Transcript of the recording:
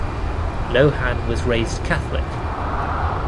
Lohan was raised Catholic.